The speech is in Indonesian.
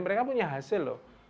mereka punya hasil loh